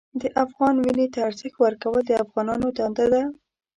د افغان وینې ته ارزښت ورکول د افغانانو دنده ده.